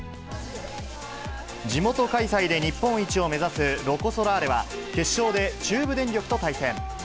地元開催で日本一を目指すロコ・ソラーレは、決勝で中部電力と対戦。